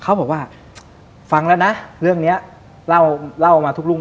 เขาบอกว่าฟังแล้วนะเรื่องนี้เล่าเล่ามาทุกรุ่ง